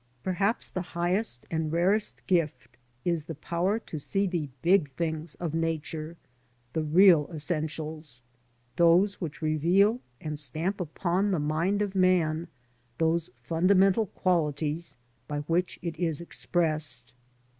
Perhaps the highest and rarest gift is the power to see the big things of Nature, the real essentials, those which reveal and stamp upon the mind of man those fundamental qualities by which it is expressed.